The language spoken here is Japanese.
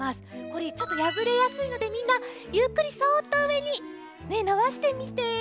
これちょっとやぶれやすいのでみんなゆっくりそっとうえにのばしてみて。